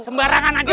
sembarangan aja lo